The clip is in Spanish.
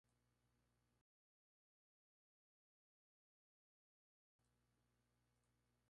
Las sonoras siguen evoluciones diferentes en función de los dialectos.